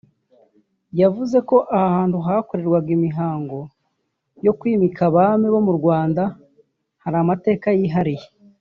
yavuze ko aha hantu hakorerwaga imihango yo kwimika abami bo mu Rwanda hari amateka yihariye